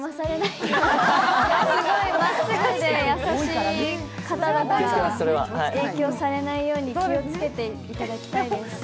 すごいまっすぐで優しい方だから影響されないように気をつけていただきたいです。